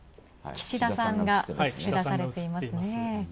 岸田さんが映し出されていますね。